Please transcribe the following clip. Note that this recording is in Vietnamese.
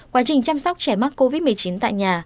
quá trình chăm sóc trẻ mắc covid một mươi chín tại nhà